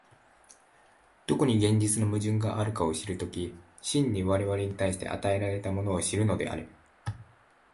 どこに現実の矛盾があるかを知る時、真に我々に対して与えられたものを知るのである。